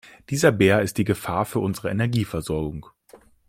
Dieser Bär ist die Gefahr für unsere Energieversorgung.